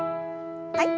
はい。